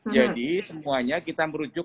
jadi semuanya kita merujuk